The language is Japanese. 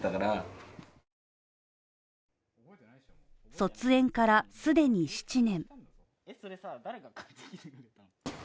卒園からすでに７年。